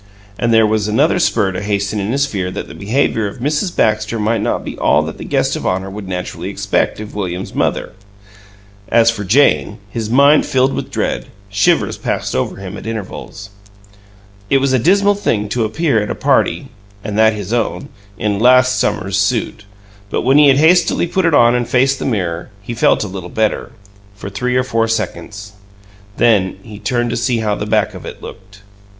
And there was another spur to haste in his fear that the behavior of Mrs. Baxter might not be all that the guest of honor would naturally expect of William's mother. As for Jane, his mind filled with dread; shivers passed over him at intervals. It was a dismal thing to appear at a "party" (and that his own) in "last summer's suit," but when he had hastily put it on and faced the mirror, he felt a little better for three or four seconds. Then he turned to see how the back of it looked.